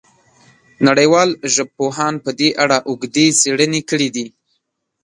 نړیوالو ژبپوهانو په دې اړه اوږدې څېړنې کړې دي.